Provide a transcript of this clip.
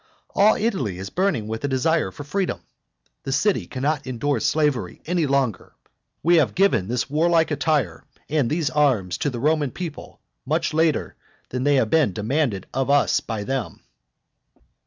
All Italy is burning with a desire for freedom. The city cannot endure slavery any longer. We have given this warlike attire and these arms to the Roman people much later than they have been demanded of us by them.